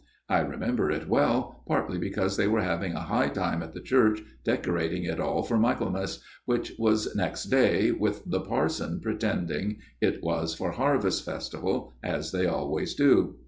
I remember it well, partly because they were having a high time at the church, decorating it all for Michaelmas, which was next day, with the parson pretending FATHER JENKS' TALE 159 it was for Harvest Festival, as they always do.